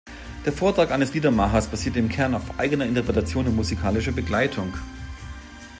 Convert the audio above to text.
Der Vortrag eines Liedermachers basiert im Kern auf eigener Interpretation und musikalischer Begleitung.